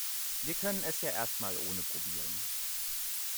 Wir können es ja erst mal ohne probieren.